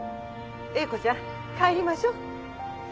英子ちゃん帰りましょう。